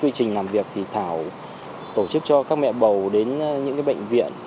trong quy trình làm việc thảo tổ chức cho các mẹ bầu đến những bệnh viện